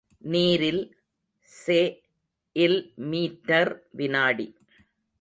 நீரில் செ.இல் மீட்டர் வினாடி